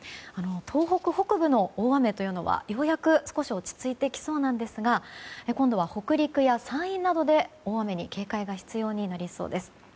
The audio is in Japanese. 東北北部の大雨というのはようやく少し落ち着いてきそうなんですが今度は北陸や山陰などで大雨に警戒が必要になりそうです。